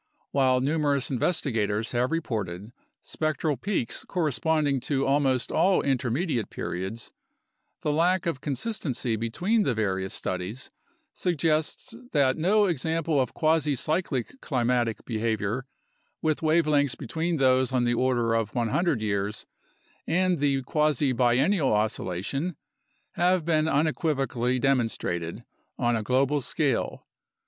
While numerous investigators have reported spectral peaks corresponding to almost all intermediate periods, the lack of consistency between the various studies suggests that no example of quasi cyclic climatic be havior with wavelengths between those on the order of 100 years and the quasi biennial oscillation have been unequivocally demonstrated on a global scale.